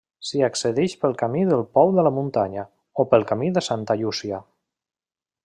S'hi accedeix pel camí del Pou de la Muntanya, o pel camí de Santa Llúcia.